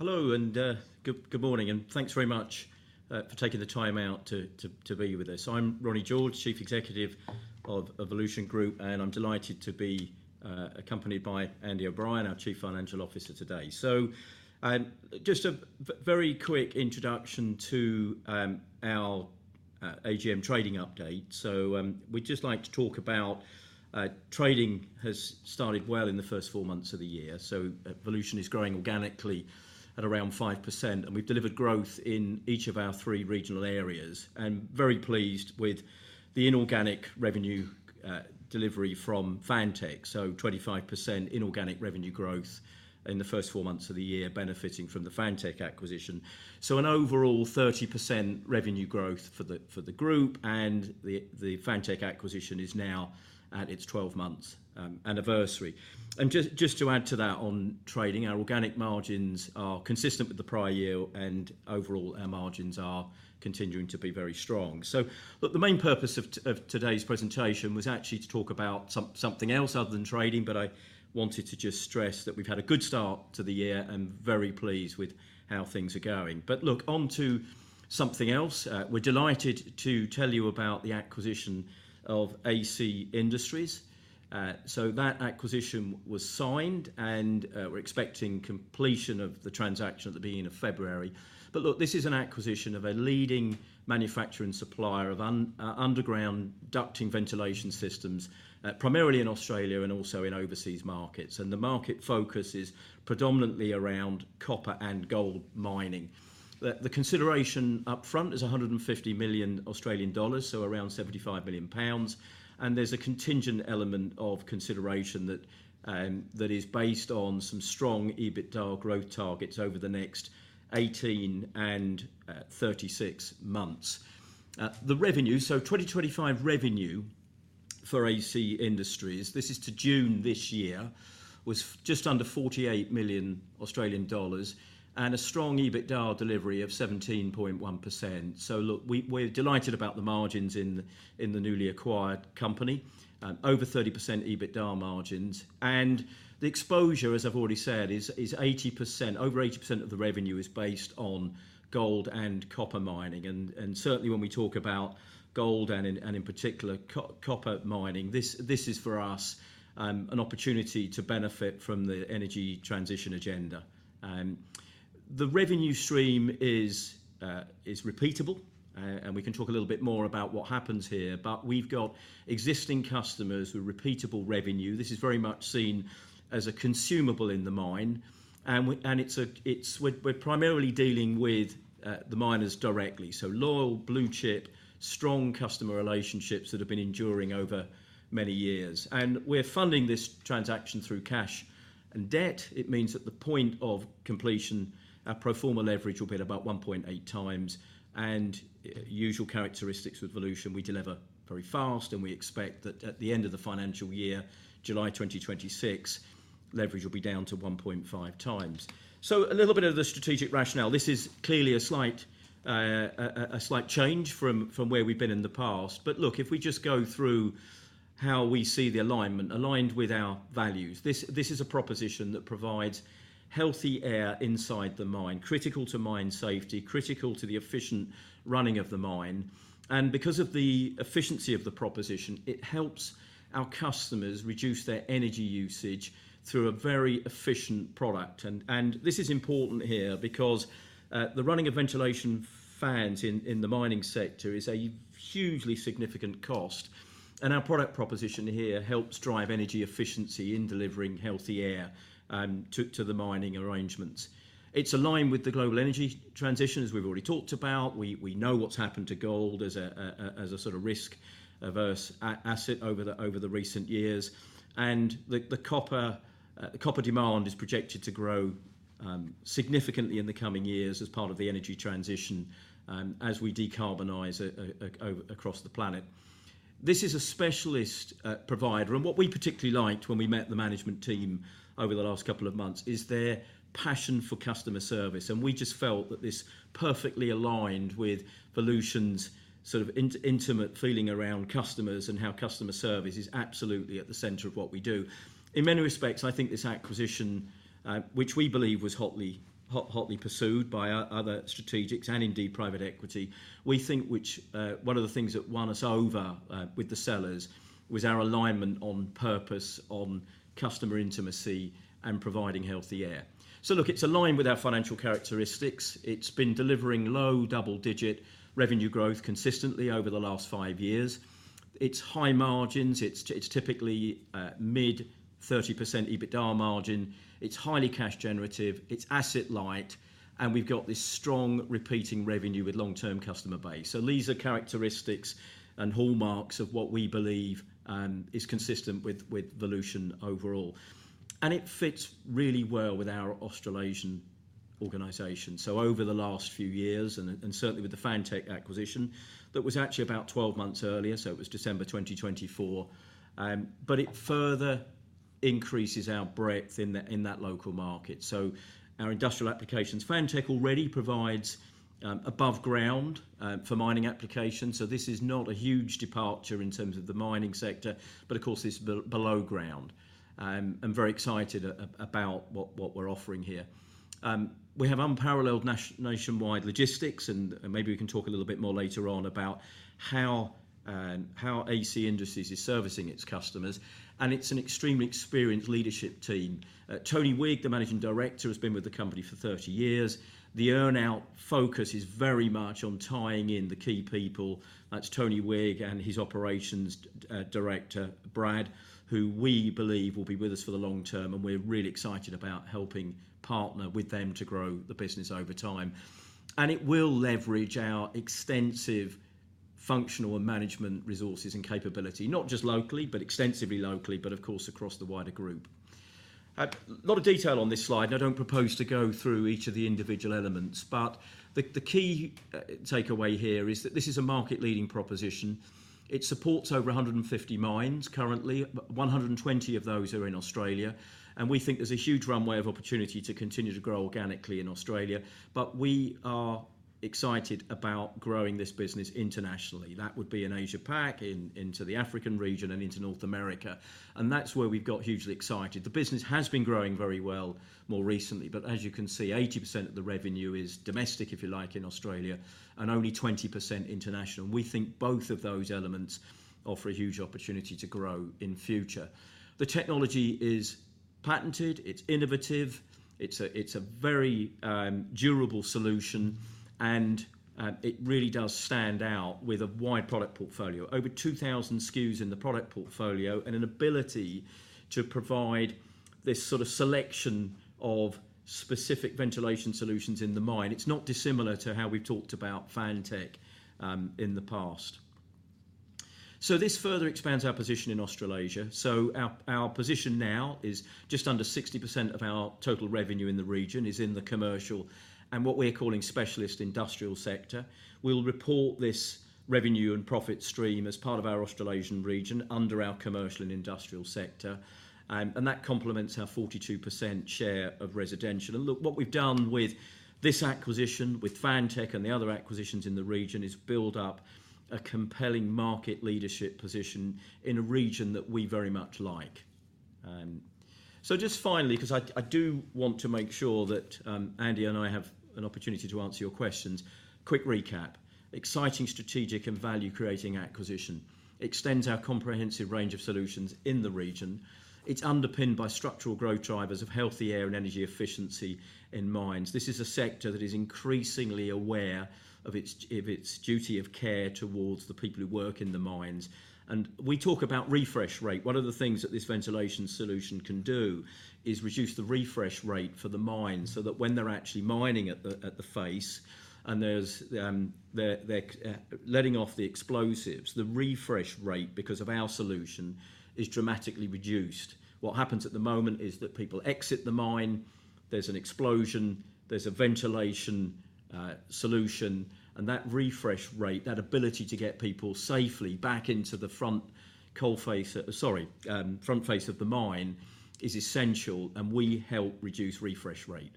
Hello, and good morning, and thanks very much for taking the time out to be with us. I'm Ronnie George, Chief Executive of Volution Group, and I'm delighted to be accompanied by Andy O'Brien, our Chief Financial Officer, today, so just a very quick introduction to our AGM trading update, so we'd just like to talk about trading has started well in the first four months of the year, so Volution is growing organically at around 5%, and we've delivered growth in each of our three regional areas, and very pleased with the inorganic revenue delivery from Fantech, so 25% inorganic revenue growth in the first four months of the year, benefiting from the Fantech acquisition, so an overall 30% revenue growth for the group, and the Fantech acquisition is now at its 12-month anniversary. And just to add to that on trading, our organic margins are consistent with the prior year, and overall our margins are continuing to be very strong. So look, the main purpose of today's presentation was actually to talk about something else other than trading, but I wanted to just stress that we've had a good start to the year and very pleased with how things are going. But look, on to something else. We're delighted to tell you about the acquisition of AC Industries. So that acquisition was signed, and we're expecting completion of the transaction at the beginning of February. But look, this is an acquisition of a leading manufacturer and supplier of underground ducting ventilation systems, primarily in Australia and also in overseas markets. And the market focus is predominantly around copper and gold mining. The consideration upfront is 150 million Australian dollars, so around 75 million pounds, and there's a contingent element of consideration that is based on some strong EBITDA growth targets over the next 18 and 36 months. The revenue, so 2025 revenue for AC Industries, this is to June this year, was just under 48 million Australian dollars and a strong EBITDA delivery of 17.1%, so look, we're delighted about the margins in the newly acquired company, over 30% EBITDA margins, and the exposure, as I've already said, is 80%, over 80% of the revenue is based on gold and copper mining, and certainly, when we talk about gold and in particular copper mining, this is for us an opportunity to benefit from the energy transition agenda. The revenue stream is repeatable, and we can talk a little bit more about what happens here, but we've got existing customers with repeatable revenue. This is very much seen as a consumable in the mine, and we're primarily dealing with the miners directly. So loyal blue chip, strong customer relationships that have been enduring over many years. And we're funding this transaction through cash and debt. It means at the point of completion, our pro forma leverage will be about 1.8x. And usual characteristics with Volution, we deliver very fast, and we expect that at the end of the financial year, July 2026, leverage will be down to 1.5x. So a little bit of the strategic rationale. This is clearly a slight change from where we've been in the past. But look, if we just go through how we see the alignment, aligned with our values, this is a proposition that provides healthy air inside the mine, critical to mine safety, critical to the efficient running of the mine. And because of the efficiency of the proposition, it helps our customers reduce their energy usage through a very efficient product. And this is important here because the running of ventilation fans in the mining sector is a hugely significant cost, and our product proposition here helps drive energy efficiency in delivering healthy air to the mining arrangements. It's aligned with the global energy transition, as we've already talked about. We know what's happened to gold as a sort of risk-averse asset over the recent years. And the copper demand is projected to grow significantly in the coming years as part of the energy transition as we decarbonize across the planet. This is a specialist provider, and what we particularly liked when we met the management team over the last couple of months is their passion for customer service, and we just felt that this perfectly aligned with Volution's sort of intimate feeling around customers and how customer service is absolutely at the center of what we do. In many respects, I think this acquisition, which we believe was hotly pursued by other strategics and indeed private equity, we think which one of the things that won us over with the sellers was our alignment on purpose, on customer intimacy, and providing healthy air, so look, it's aligned with our financial characteristics. It's been delivering low double-digit revenue growth consistently over the last five years. It's high margins. It's typically mid-30% EBITDA margin. It's highly cash generative. It's asset-light, and we've got this strong repeating revenue with long-term customer base. So these are characteristics and hallmarks of what we believe is consistent with Volution overall. And it fits really well with our Australasian organization. So over the last few years, and certainly with the Fantech acquisition that was actually about 12 months earlier, so it was December 2024, but it further increases our breadth in that local market. So our industrial applications. Fantech already provides above ground for mining applications. So this is not a huge departure in terms of the mining sector, but of course, it's below ground. I'm very excited about what we're offering here. We have unparalleled nationwide logistics, and maybe we can talk a little bit more later on about how AC Industries is servicing its customers. And it's an extremely experienced leadership team. Tony Wigg, the Managing Director, has been with the company for 30 years. The earnout focus is very much on tying in the key people. That's Tony Wigg and his operations director, Brad, who we believe will be with us for the long term, and we're really excited about helping partner with them to grow the business over time, and it will leverage our extensive functional and management resources and capability, not just locally, but extensively locally, but of course, across the wider group. A lot of detail on this slide, and I don't propose to go through each of the individual elements, but the key takeaway here is that this is a market-leading proposition. It supports over 150 mines currently. 120 of those are in Australia, and we think there's a huge runway of opportunity to continue to grow organically in Australia, but we are excited about growing this business internationally. That would be in Asia-Pac, into the African region, and into North America. And that's where we've got hugely excited. The business has been growing very well more recently, but as you can see, 80% of the revenue is domestic, if you like, in Australia, and only 20% international. And we think both of those elements offer a huge opportunity to grow in future. The technology is patented. It's innovative. It's a very durable solution, and it really does stand out with a wide product portfolio, over 2,000 SKUs in the product portfolio, and an ability to provide this sort of selection of specific ventilation solutions in the mine. It's not dissimilar to how we've talked about Fantech in the past. So this further expands our position in Australasia. So our position now is just under 60% of our total revenue in the region is in the commercial and what we're calling specialist industrial sector. We'll report this revenue and profit stream as part of our Australasian region under our commercial and industrial sector, and that complements our 42% share of residential. And look, what we've done with this acquisition, with Fantech and the other acquisitions in the region, is build up a compelling market leadership position in a region that we very much like. So just finally, because I do want to make sure that Andy and I have an opportunity to answer your questions, quick recap. Exciting strategic and value-creating acquisition. It extends our comprehensive range of solutions in the region. It's underpinned by structural growth drivers of healthy air and energy efficiency in mines. This is a sector that is increasingly aware of its duty of care towards the people who work in the mines. And we talk about refresh rate. One of the things that this ventilation solution can do is reduce the refresh rate for the mines so that when they're actually mining at the face and they're letting off the explosives, the refresh rate because of our solution is dramatically reduced. What happens at the moment is that people exit the mine, there's an explosion, there's a ventilation solution, and that refresh rate, that ability to get people safely back into the front coal face, sorry, front face of the mine is essential, and we help reduce refresh rate.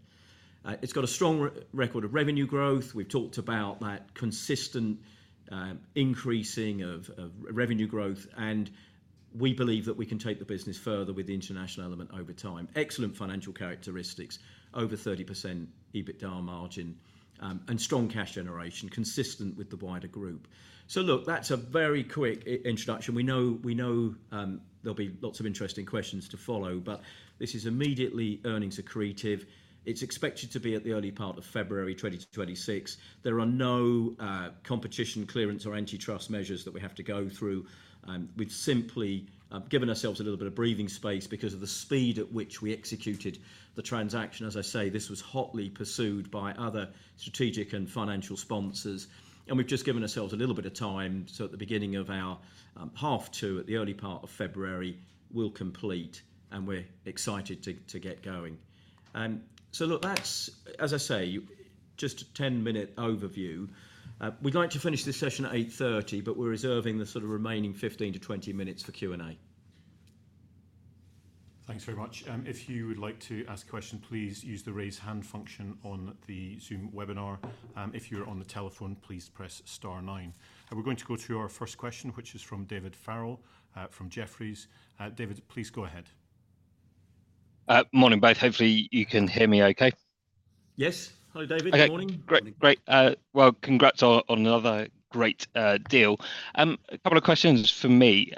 It's got a strong record of revenue growth. We've talked about that consistent increasing of revenue growth, and we believe that we can take the business further with the international element over time. Excellent financial characteristics, over 30% EBITDA margin, and strong cash generation, consistent with the wider group. So look, that's a very quick introduction. We know there'll be lots of interesting questions to follow, but this is immediately earnings accretive. It's expected to be at the early part of February 2026. There are no competition clearance or antitrust measures that we have to go through. We've simply given ourselves a little bit of breathing space because of the speed at which we executed the transaction. As I say, this was hotly pursued by other strategic and financial sponsors, and we've just given ourselves a little bit of time so at the beginning of our half to at the early part of February, we'll complete, and we're excited to get going. So look, that's, as I say, just a 10-minute overview. We'd like to finish this session at 8:30 A.M., but we're reserving the sort of remaining 15-20 minutes for Q&A. Thanks very much. If you would like to ask a question, please use the raise hand function on the Zoom webinar. If you're on the telephone, please press star nine. And we're going to go to our first question, which is from David Farrell from Jefferies. David, please go ahead. Morning, both. Hopefully, you can hear me okay. Yes. Hello, David. Good morning. Great. Great. Well, congrats on another great deal. A couple of questions for me.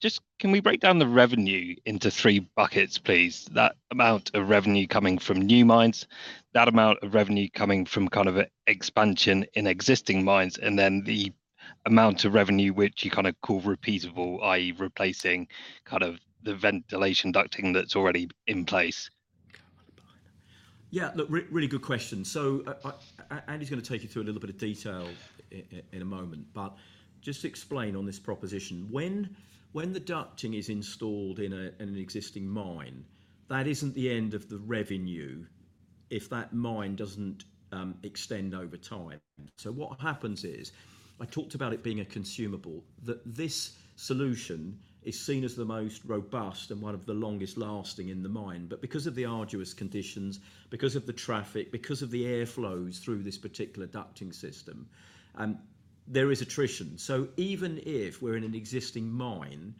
Just can we break down the revenue into three buckets, please? That amount of revenue coming from new mines, that amount of revenue coming from kind of expansion in existing mines, and then the amount of revenue which you kind of call repeatable, i.e., replacing kind of the ventilation ducting that's already in place. Yeah. Look, really good question. So Andy's going to take you through a little bit of detail in a moment, but just explain on this proposition. When the ducting is installed in an existing mine, that isn't the end of the revenue if that mine doesn't extend over time. So what happens is I talked about it being a consumable, that this solution is seen as the most robust and one of the longest lasting in the mine. But because of the arduous conditions, because of the traffic, because of the airflows through this particular ducting system, there is attrition. So even if we're in an existing mine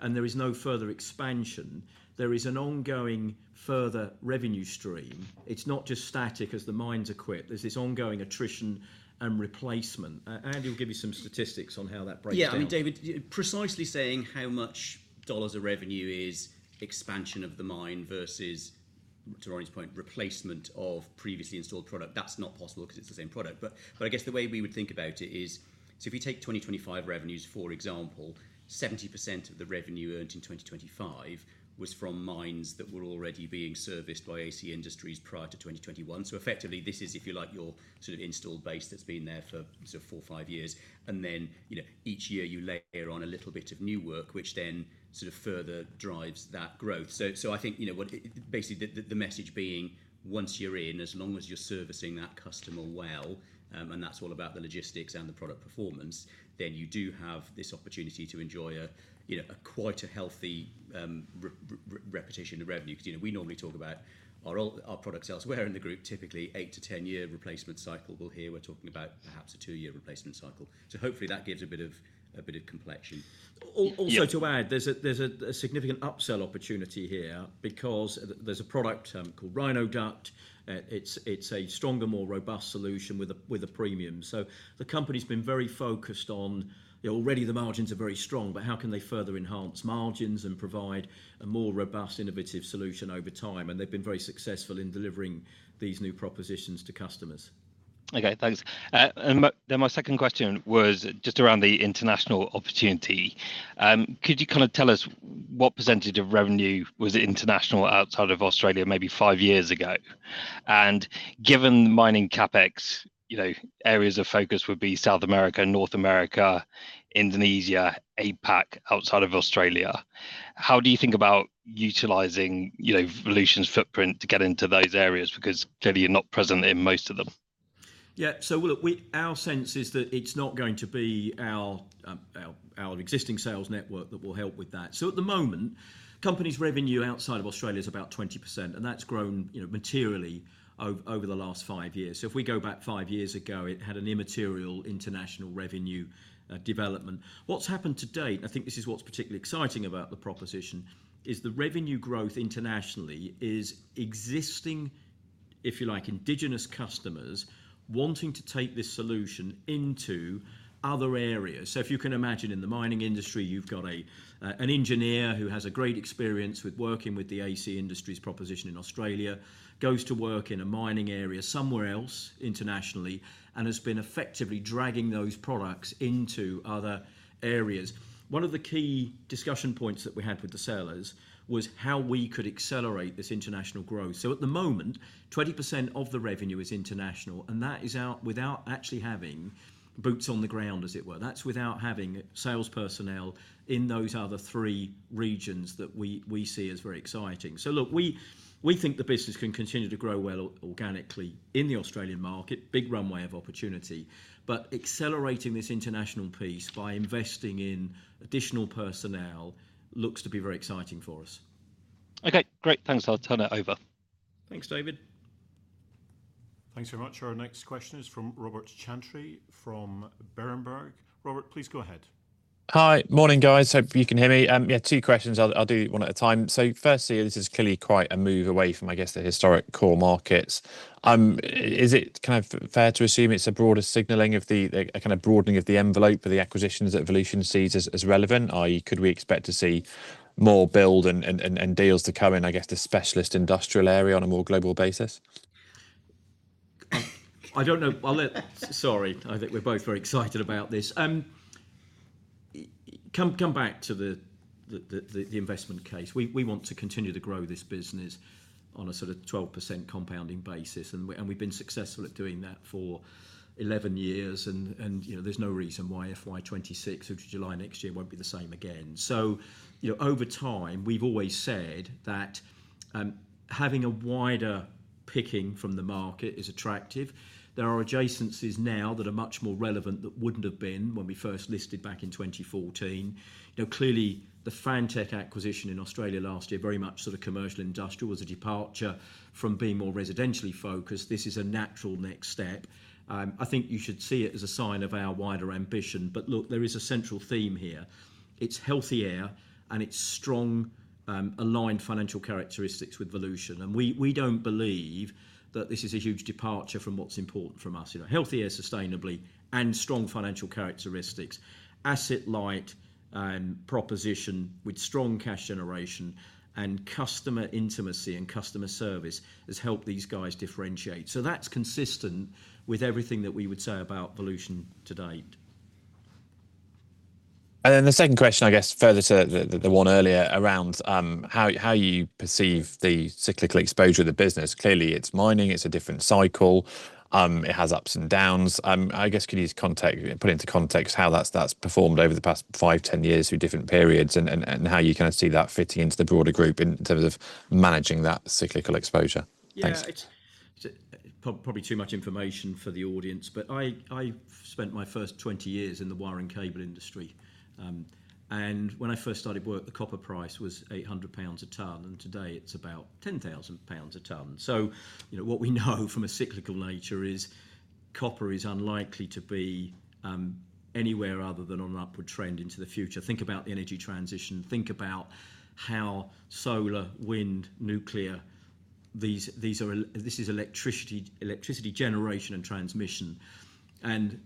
and there is no further expansion, there is an ongoing further revenue stream. It's not just static as the mines are quiet. There's this ongoing attrition and replacement. Andy will give you some statistics on how that breaks down. Yeah. I mean, David, precisely saying how much dollars of revenue is expansion of the mine versus, to Ronnie's point, replacement of previously installed product, that's not possible because it's the same product. But I guess the way we would think about it is, so if you take 2025 revenues, for example, 70% of the revenue earned in 2025 was from mines that were already being serviced by AC Industries prior to 2021. So effectively, this is, if you like, your sort of installed base that's been there for sort of four, five years. And then each year you layer on a little bit of new work, which then sort of further drives that growth. So I think basically the message being, once you're in, as long as you're servicing that customer well, and that's all about the logistics and the product performance, then you do have this opportunity to enjoy quite a healthy recurring revenue. Because we normally talk about our products elsewhere in the group, typically 8-10-year replacement cycle. Well, here we're talking about perhaps a two-year replacement cycle. So hopefully that gives a bit of complexion. Also to add, there's a significant upsell opportunity here because there's a product called RHINO duct. It's a stronger, more robust solution with a premium. So the company's been very focused on already the margins are very strong, but how can they further enhance margins and provide a more robust, innovative solution over time, and they've been very successful in delivering these new propositions to customers. Okay. Thanks, and my second question was just around the international opportunity. Could you kind of tell us what percentage of revenue was international outside of Australia maybe five years ago, and given mining CapEx, areas of focus would be South America, North America, Indonesia, APAC outside of Australia. How do you think about utilizing Volution's footprint to get into those areas? Because clearly you're not present in most of them. Yeah, so look, our sense is that it's not going to be our existing sales network that will help with that. At the moment, the company's revenue outside of Australia is about 20%, and that's grown materially over the last five years. If we go back five years ago, it had an immaterial international revenue development. What's happened to date? I think this is what's particularly exciting about the proposition, is the revenue growth internationally is existing, if you like, indigenous customers wanting to take this solution into other areas. If you can imagine in the mining industry, you've got an engineer who has a great experience with working with the AC Industries proposition in Australia, goes to work in a mining area somewhere else internationally, and has been effectively dragging those products into other areas. One of the key discussion points that we had with the sellers was how we could accelerate this international growth. So at the moment, 20% of the revenue is international, and that is without actually having boots on the ground, as it were. That's without having sales personnel in those other three regions that we see as very exciting. So look, we think the business can continue to grow well organically in the Australian market, big runway of opportunity. But accelerating this international piece by investing in additional personnel looks to be very exciting for us. Okay. Great. Thanks. I'll turn it over. Thanks, David. Thanks very much. Our next question is from Robert Chantry from Berenberg. Robert, please go ahead. Hi. Morning, guys. Hope you can hear me. Yeah, two questions. I'll do one at a time. So firstly, this is clearly quite a move away from, I guess, the historic core markets. Is it kind of fair to assume it's a broader signaling of the kind of broadening of the envelope for the acquisitions that Volution sees as relevant? i.e., could we expect to see more build and deals to come in, I guess, the specialist industrial area on a more global basis? I don't know. Sorry. I think we're both very excited about this. Come back to the investment case. We want to continue to grow this business on a sort of 12% compounding basis, and we've been successful at doing that for 11 years, and there's no reason why FY 2026, which is July next year, won't be the same again. So over time, we've always said that having a wider picking from the market is attractive. There are adjacencies now that are much more relevant that wouldn't have been when we first listed back in 2014. Clearly, the Fantech acquisition in Australia last year, very much sort of commercial industrial, was a departure from being more residentially focused. This is a natural next step. I think you should see it as a sign of our wider ambition. But look, there is a central theme here. It's healthy air, and it's strong aligned financial characteristics with Volution. And we don't believe that this is a huge departure from what's important from us. Healthy air sustainably and strong financial characteristics, asset light proposition with strong cash generation and customer intimacy and customer service has helped these guys differentiate. So that's consistent with everything that we would say about Volution to date. And then the second question, I guess, further to the one earlier around how you perceive the cyclical exposure of the business. Clearly, it's mining. It's a different cycle. It has ups and downs. I guess, could you put into context how that's performed over the past five, 10 years through different periods and how you kind of see that fitting into the broader group in terms of managing that cyclical exposure? Thanks. Yeah. It's probably too much information for the audience, but I spent my first 20 years in the wiring cable industry. And when I first started work, the copper price was 800 pounds a tonne, and today it's about 10,000 pounds a tonne. So what we know from a cyclical nature is copper is unlikely to be anywhere other than on an upward trend into the future. Think about the energy transition. Think about how solar, wind, nuclear. This is electricity generation and transmission. And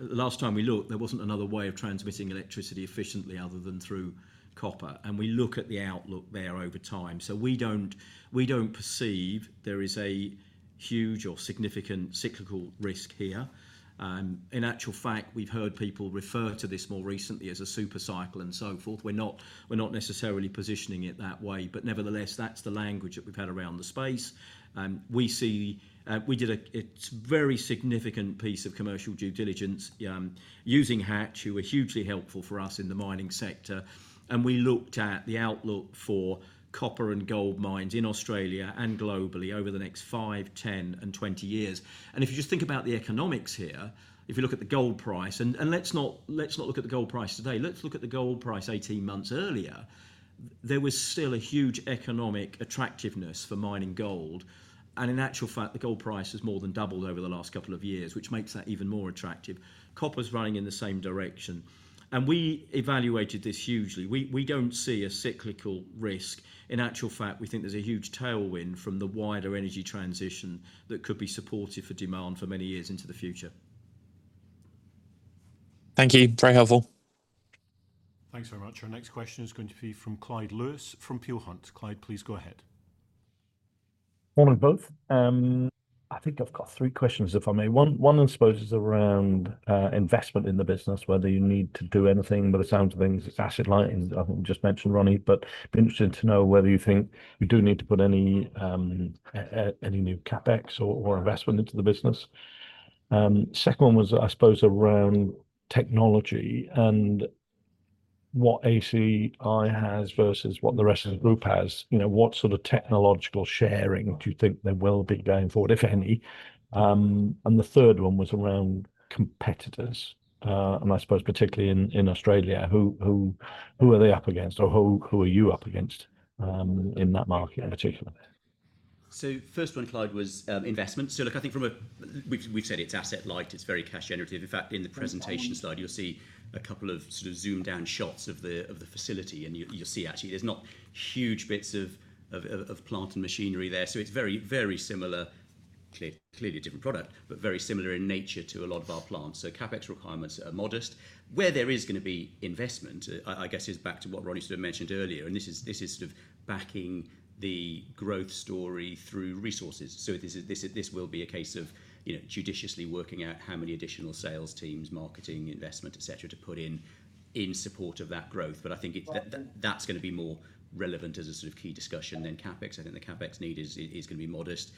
last time we looked, there wasn't another way of transmitting electricity efficiently other than through copper. And we look at the outlook there over time. So we don't perceive there is a huge or significant cyclical risk here. In actual fact, we've heard people refer to this more recently as a supercycle and so forth. We're not necessarily positioning it that way, but nevertheless, that's the language that we've had around the space. We did a very significant piece of commercial due diligence using Hatch, who were hugely helpful for us in the mining sector. And we looked at the outlook for copper and gold mines in Australia and globally over the next five, 10, and 20 years. And if you just think about the economics here, if you look at the gold price, and let's not look at the gold price today. Let's look at the gold price 18 months earlier. There was still a huge economic attractiveness for mining gold. In actual fact, the gold price has more than doubled over the last couple of years, which makes that even more attractive. Copper's running in the same direction. We evaluated this hugely. We don't see a cyclical risk. In actual fact, we think there's a huge tailwind from the wider energy transition that could be supportive for demand for many years into the future. Thank you. Very helpful. Thanks very much. Our next question is going to be from Clyde Lewis from Peel Hunt. Clyde, please go ahead. Morning, both. I think I've got three questions, if I may. One I suppose is around investment in the business, whether you need to do anything by the sounds of things. It's asset-light, as I think you just mentioned, Ronnie, but I'd be interested to know whether you think you do need to put any new CapEx or investment into the business. Second one was, I suppose, around technology and what ACI has versus what the rest of the group has. What sort of technological sharing do you think there will be going forward, if any? And the third one was around competitors. And I suppose particularly in Australia, who are they up against, or who are you up against in that market in particular? So first one, Clyde, was investment. So look, I think from a, we've said it's asset-light. It's very cash generative. In fact, in the presentation slide, you'll see a couple of sort of zoomed-down shots of the facility, and you'll see actually there's not huge bits of plant and machinery there. So it's very, very similar, clearly a different product, but very similar in nature to a lot of our plants. So CapEx requirements are modest. Where there is going to be investment, I guess, is back to what Ronnie sort of mentioned earlier. And this is sort of backing the growth story through resources. So this will be a case of judiciously working out how many additional sales teams, marketing, investment, etc., to put in support of that growth. But I think that's going to be more relevant as a sort of key discussion than CapEx. I think the CapEx need is going to be modest.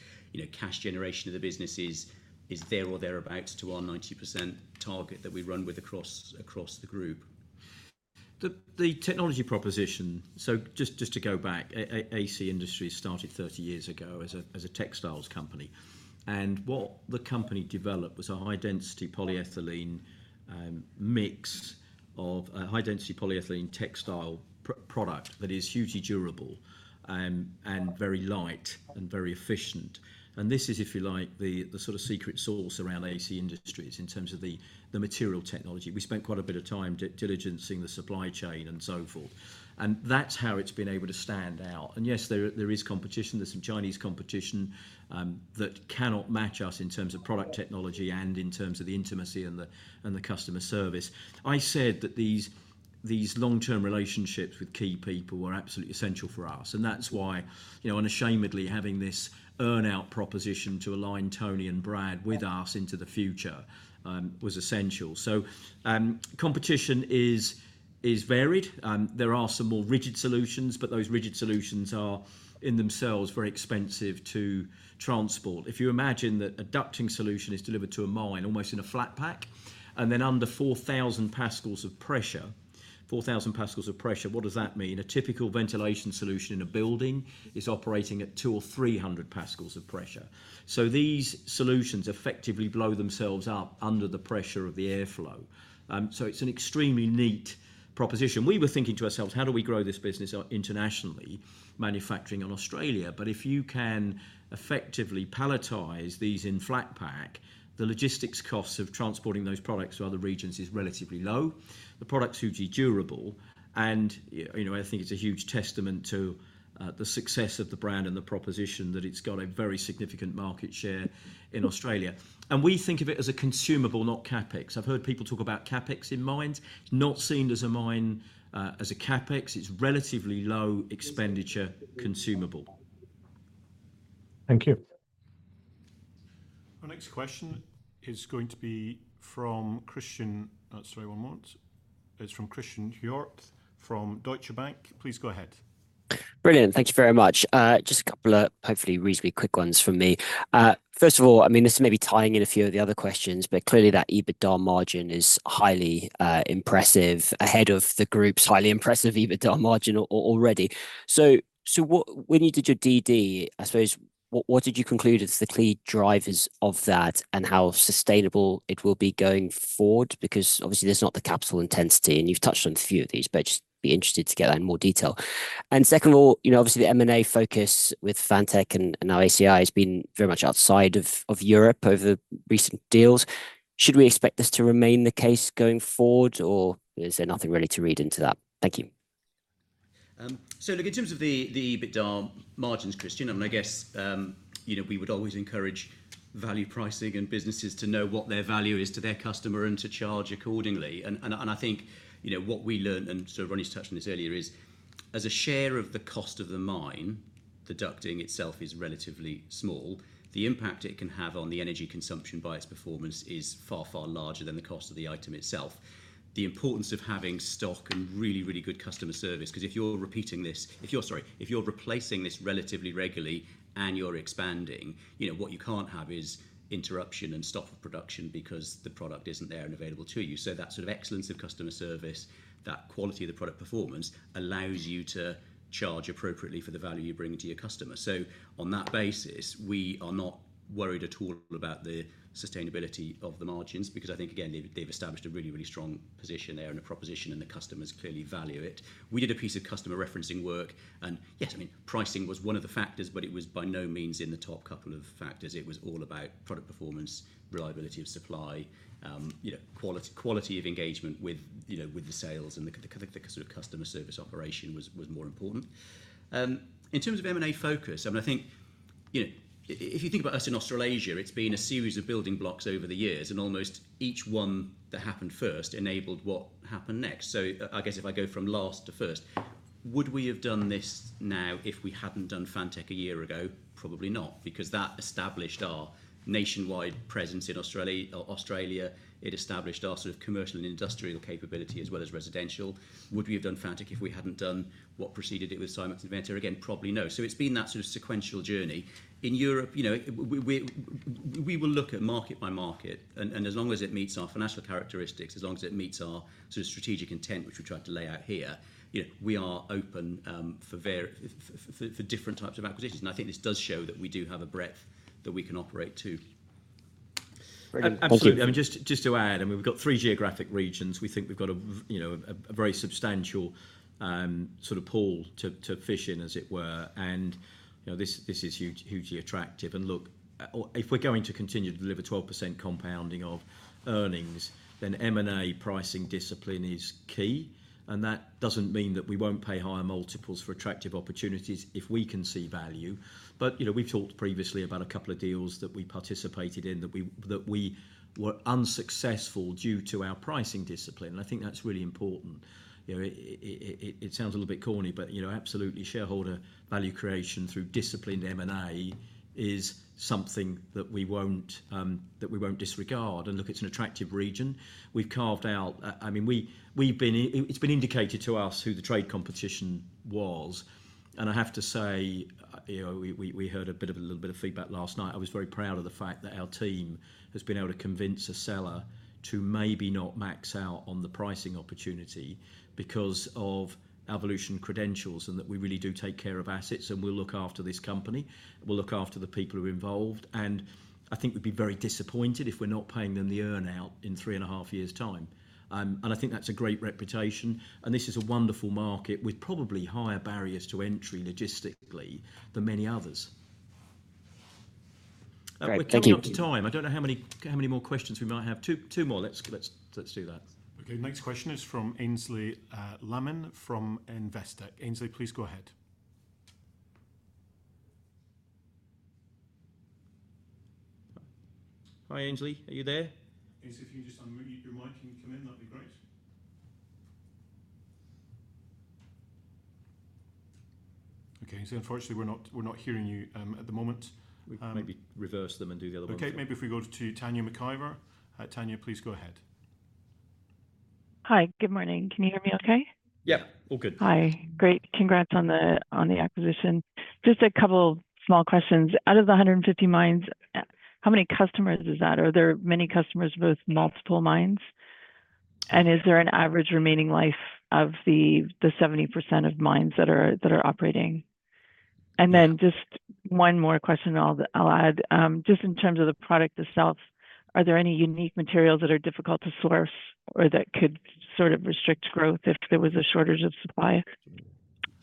Cash generation of the business is there or thereabouts to our 90% target that we run with across the group. The technology proposition, so just to go back, AC Industries started 30 years ago as a textiles company. And what the company developed was a high-density polyethylene mix of a high-density polyethylene textile product that is hugely durable and very light and very efficient. And this is, if you like, the sort of secret sauce around AC Industries in terms of the material technology. We spent quite a bit of time diligencing the supply chain and so forth. And that's how it's been able to stand out. And yes, there is competition. There's some Chinese competition that cannot match us in terms of product technology and in terms of the intimacy and the customer service. I said that these long-term relationships with key people were absolutely essential for us. And that's why, unashamedly, having this earnout proposition to align Tony and Brad with us into the future was essential. So competition is varied. There are some more rigid solutions, but those rigid solutions are in themselves very expensive to transport. If you imagine that a ducting solution is delivered to a mine almost in a flat pack, and then under 4,000 pascals of pressure, 4,000 pascals of pressure, what does that mean? A typical ventilation solution in a building is operating at 200 or 300 pascals of pressure. So these solutions effectively blow themselves up under the pressure of the airflow. So it's an extremely neat proposition. We were thinking to ourselves, how do we grow this business internationally, manufacturing in Australia? But if you can effectively palletize these in flat pack, the logistics costs of transporting those products to other regions is relatively low. The product's hugely durable. And I think it's a huge testament to the success of the brand and the proposition that it's got a very significant market share in Australia. And we think of it as a consumable, not CapEx. I've heard people talk about CapEx in mines. It's not seen as a mine as a CapEx. It's relatively low expenditure consumable. Thank you. Our next question is going to be from Christen. Sorry, one moment. It's from Christen Hjorth from Deutsche Bank. Please go ahead. Brilliant. Thank you very much. Just a couple of hopefully reasonably quick ones from me. First of all, I mean, this may be tying in a few of the other questions, but clearly that EBITDA margin is highly impressive ahead of the group's highly impressive EBITDA margin already. So when you did your DD, I suppose, what did you conclude as the key drivers of that and how sustainable it will be going forward? Because obviously, there's not the capital intensity, and you've touched on a few of these, but I'd just be interested to get that in more detail. And second of all, obviously, the M&A focus with Fantech and now ACI has been very much outside of Europe over recent deals. Should we expect this to remain the case going forward, or is there nothing really to read into that? Thank you. So look, in terms of the EBITDA margins, Christen, and I guess we would always encourage value pricing and businesses to know what their value is to their customer and to charge accordingly. I think what we learned, and Ronnie's touched on this earlier, is as a share of the cost of the mine, the ducting itself is relatively small. The impact it can have on the energy consumption by its performance is far, far larger than the cost of the item itself. The importance of having stock and really, really good customer service, because if you're repeating this, if you're replacing this relatively regularly and you're expanding, what you can't have is interruption and stop of production because the product isn't there and available to you, so that sort of excellence of customer service, that quality of the product performance allows you to charge appropriately for the value you bring to your customer. So on that basis, we are not worried at all about the sustainability of the margins because I think, again, they've established a really, really strong position there and a proposition, and the customers clearly value it. We did a piece of customer referencing work, and yes, I mean, pricing was one of the factors, but it was by no means in the top couple of factors. It was all about product performance, reliability of supply, quality of engagement with the sales, and the sort of customer service operation was more important. In terms of M&A focus, I mean, I think if you think about us in Australasia, it's been a series of building blocks over the years, and almost each one that happened first enabled what happened next. So I guess if I go from last to first, would we have done this now if we hadn't done Fantech a year ago? Probably not, because that established our nationwide presence in Australia. It established our sort of commercial and industrial capability as well as residential. Would we have done Fantech if we hadn't done what preceded it with Simx, Ventair? Again, probably no. So it's been that sort of sequential journey. In Europe, we will look at market by market, and as long as it meets our financial characteristics, as long as it meets our sort of strategic intent, which we tried to lay out here, we are open for different types of acquisitions. And I think this does show that we do have a breadth that we can operate to. Absolutely. I mean, just to add, I mean, we've got three geographic regions. We think we've got a very substantial sort of pool to fish in, as it were. And this is hugely attractive. And look, if we're going to continue to deliver 12% compounding of earnings, then M&A pricing discipline is key. And that doesn't mean that we won't pay higher multiples for attractive opportunities if we can see value. But we've talked previously about a couple of deals that we participated in that we were unsuccessful due to our pricing discipline. And I think that's really important. It sounds a little bit corny, but absolutely, shareholder value creation through disciplined M&A is something that we won't disregard and look at it as an attractive region. We've carved out, I mean, it's been indicated to us who the trade competition was. And I have to say, we heard a bit of a little bit of feedback last night. I was very proud of the fact that our team has been able to convince a seller to maybe not max out on the pricing opportunity because of [our Volution] credentials and that we really do take care of assets and we'll look after this company. We'll look after the people who are involved. And I think we'd be very disappointed if we're not paying them the earnout in three and a half years' time. And I think that's a great reputation. And this is a wonderful market with probably higher barriers to entry logistically than many others. We're coming up to time. I don't know how many more questions we might have. Two more. Let's do that. Okay. Next question is from Aynsley Lammin from Investec. Aynsley, please go ahead. Hi, Aynsley. Are you there? Aynsley, if you can just unmute your mic and come in, that'd be great. Okay. So unfortunately, we're not hearing you at the moment. We can maybe reverse them and do the other one. Okay. Maybe if we go to Tanya Maciver. Tanya, please go ahead. Hi. Good morning. Can you hear me okay? Yeah. All good. Hi. Great. Congrats on the acquisition. Just a couple of small questions. Out of the 150 mines, how many customers is that? Are there many customers with multiple mines? And is there an average remaining life of the 70% of mines that are operating? And then just one more question I'll add. Just in terms of the product itself, are there any unique materials that are difficult to source or that could sort of restrict growth if there was a shortage of supply?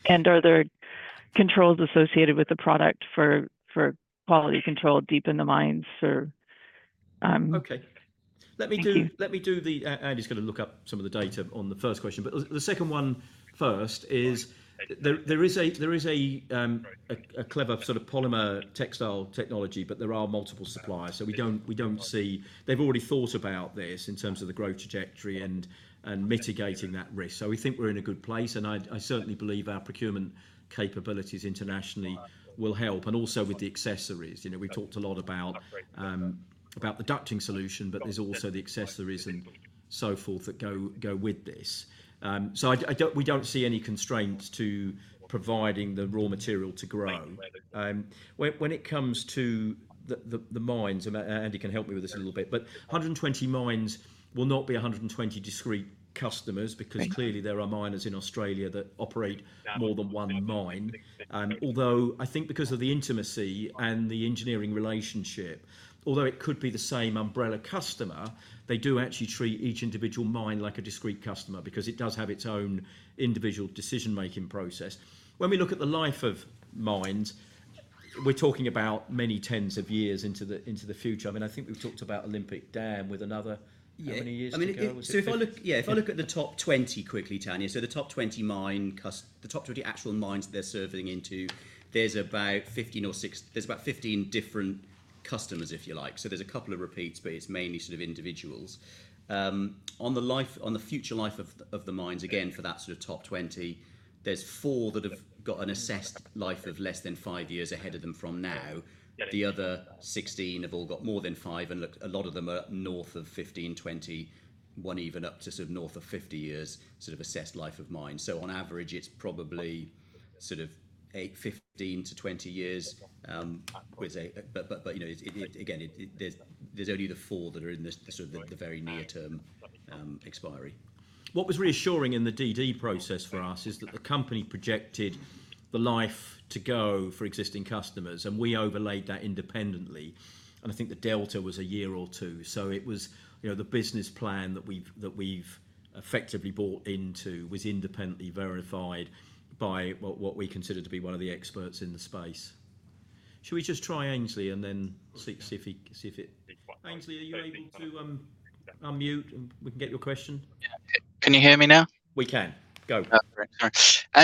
And are there controls associated with the product for quality control deep in the mines? Okay. I just got to look up some of the data on the first question, but the second one first is there is a clever sort of polymer textile technology, but there are multiple suppliers, so we don't see. They've already thought about this in terms of the growth trajectory and mitigating that risk, so we think we're in a good place, and I certainly believe our procurement capabilities internationally will help, and also with the accessories, we've talked a lot about the ducting solution, but there's also the accessories and so forth that go with this, so we don't see any constraints to providing the raw material to grow. When it comes to the mines, Andy can help me with this a little bit, but 120 mines will not be 120 discrete customers because clearly there are miners in Australia that operate more than one mine. Although I think because of the intimacy and the engineering relationship, although it could be the same umbrella customer, they do actually treat each individual mine like a discrete customer because it does have its own individual decision-making process. When we look at the life of mines, we're talking about many tens of years into the future. I mean, I think we've talked about Olympic Dam with another how many years? Yeah. So if I look, yeah, if I look at the top 20 quickly, Tanya, so the top 20 mine, the top 20 actual mines that they're serving into, there's about 15 or 16, there's about 15 different customers, if you like. So there's a couple of repeats, but it's mainly sort of individuals. On the future life of the mines, again, for that sort of top 20, there's four that have got an assessed life of less than five years ahead of them from now. The other 16 have all got more than five. And look, a lot of them are north of 15, 20, one even up to sort of north of 50 years sort of assessed life of mine. So on average, it's probably sort of 15 to 20 years. But again, there's only the four that are in the sort of very near-term expiry. What was reassuring in the DD process for us is that the company projected the life to go for existing customers, and we overlaid that independently. And I think the delta was a year or two. So it was the business plan that we've effectively bought into was independently verified by what we consider to be one of the experts in the space. Shall we just try Aynsley and then see if it. Aynsley, are you able to unmute and we can get your question? Can you hear me now? We can. Go.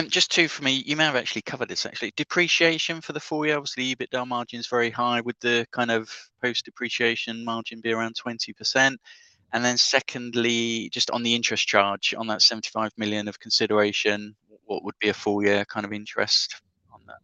Just two for me. You may have actually covered this, actually. Depreciation for the four-year obviously. EBITDA margin is very high with the kind of post-depreciation margin being around 20%. And then secondly, just on the interest charge on that 75 million of consideration, what would be a four-year kind of interest on that?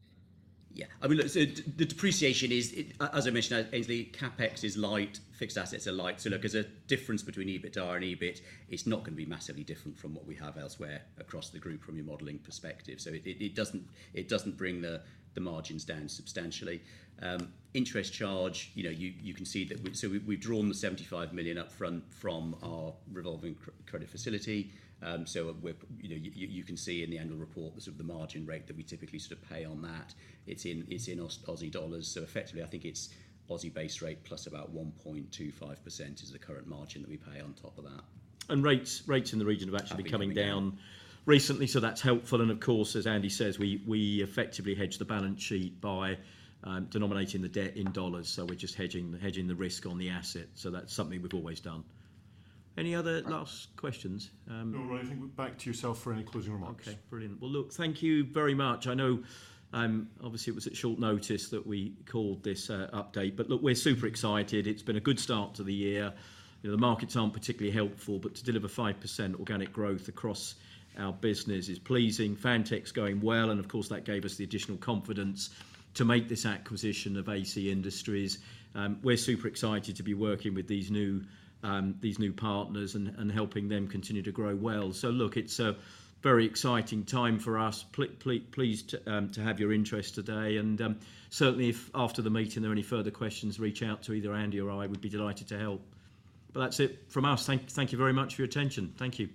Yeah. I mean, look, so the depreciation is, as I mentioned, Aynsley. CapEx is light. Fixed assets are light. So look, as a difference between EBITDA and EBIT, it's not going to be massively different from what we have elsewhere across the group from your modeling perspective. So it doesn't bring the margins down substantially. Interest charge, you can see that we've drawn 75 million upfront from our revolving credit facility. So you can see in the annual report the margin rate that we typically sort of pay on that. It's in Aussie dollars. So effectively, I think it's Aussie base rate plus about 1.25% is the current margin that we pay on top of that. And rates in the region have actually been coming down recently, so that's helpful. And of course, as Andy says, we effectively hedge the balance sheet by denominating the debt in dollars. So we're just hedging the risk on the asset. So that's something we've always done. Any other last questions? No, Ronnie. I think back to yourself for any closing remarks. Okay. Brilliant. Well, look, thank you very much. I know obviously it was at short notice that we called this update, but look, we're super excited. It's been a good start to the year. The markets aren't particularly helpful, but to deliver 5% organic growth across our business is pleasing. Fantech's going well, and of course, that gave us the additional confidence to make this acquisition of AC Industries. We're super excited to be working with these new partners and helping them continue to grow well. So look, it's a very exciting time for us. Pleased to have your interest today. And certainly, if after the meeting, there are any further questions, reach out to either Andy or I. We'd be delighted to help. But that's it from us. Thank you very much for your attention. Thank you.